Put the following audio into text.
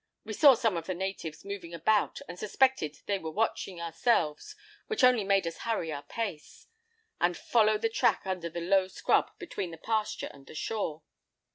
We saw some of the natives moving about, and suspected that they were watching ourselves, which only made us hurry our pace, and follow the track under the low scrub between the pasture and the shore.